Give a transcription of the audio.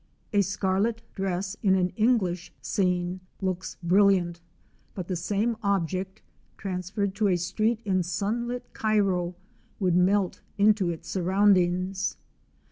A scarlet dress in an English scene looks brilliant, but the same object transferred to a street in sunlit Cairo would melt into its surroundings.